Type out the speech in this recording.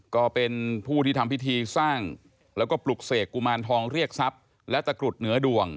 ก็เป็นผู้ที่ทำพิธีสร้างแล้วก็ปลุกเสกกุมารทองเรียกทรัพย์และตะกรุดเหนือดวง